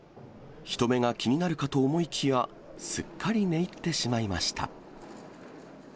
人目が気になるかと思いきや、すっかり寝入ってしまいました。